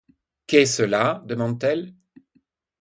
Qu’est cela ? demanda-t-elle.